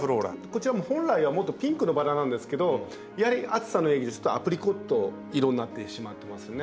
こちらは本来はもっとピンクのバラなんですけどやはり暑さの影響でちょっとアプリコット色になってしまってますね。